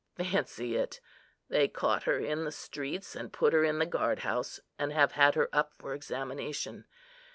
Fancy it! they caught her in the streets, and put her in the guard house, and have had her up for examination.